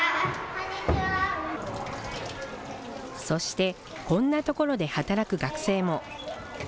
そして、こんなところで働く学生も。